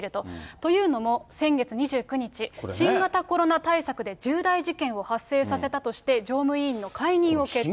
というのも、先月２９日、新型コロナ対策で重大事件を発生させたとして、常務委員の解任を決定。